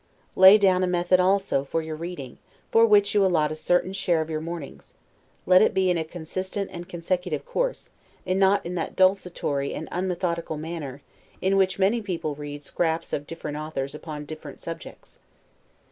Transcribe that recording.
Lay down a method also for your reading, for which you allot a certain share of your mornings; let it be in a consistent and consecutive course, and not in that desultory and unmethodical manner, in which many people read scraps of different authors, upon different subjects.